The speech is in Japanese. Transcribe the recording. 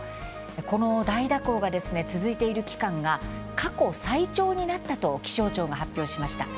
この大蛇行が続いている期間が過去最長になったと気象庁が発表しました。